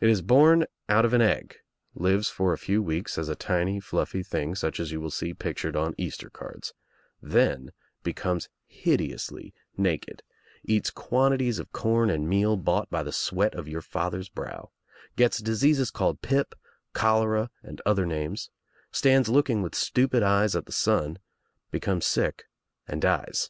It Is borrvdiiT opin egg, lives for a few weeks as a tiny fiuffy thing such as you will see pictured on Easter cards, then becomes hideously naked, eats quan 48 THE TRIUMPH OF T^E EGG titles of corn and meal bought by the sweat of your father's brow, gets diseases called pip, cholera, and other names, stands looking with stupid eyes at the sun, becomes sick and dies.